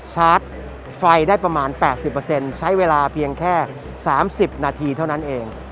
ชาร์จไฟได้ประมาณ๘๐ใช้เวลาเพียงแค่๓๐นาทีเท่านั้นเอง